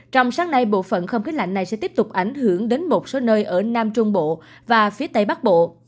trong sáng nay bộ phận không khí lạnh này sẽ tiếp tục ảnh hưởng đến một số nơi ở nam trung bộ và phía tây bắc bộ